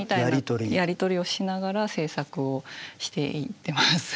やり取りをしながら制作をしていってます。